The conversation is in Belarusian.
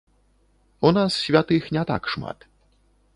У нас святых не так шмат.